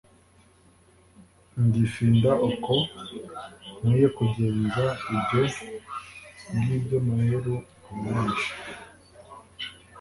Ngifinda uko nkwiyeKugenza ibyo ngibyoMaheru aba yaje